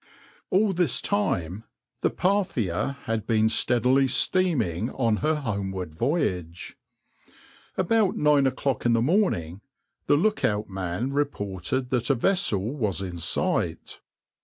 \par All this time the {\itshape{Parthia}} had been steadily steaming on her homeward voyage. About nine o'clock in the morning the look out man reported that a vessel was in sight.